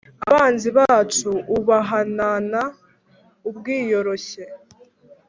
abanzi bacu ubahanana ubwiyoroshye,